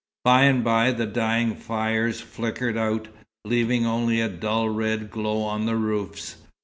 By and by the dying fires flickered out, leaving only a dull red glow on the roofs.